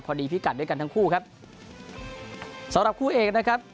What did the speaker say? พิกัดด้วยกันทั้งคู่ครับสำหรับคู่เอกนะครับ